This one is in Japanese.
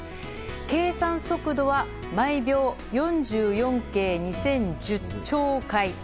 計算速度は毎秒４４京２０１０兆回。